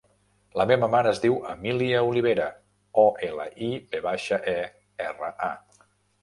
La meva mare es diu Emília Olivera: o, ela, i, ve baixa, e, erra, a.